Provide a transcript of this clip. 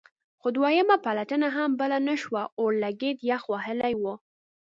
خو دویمه پلته هم بله نه شوه اورلګید یخ وهلی و.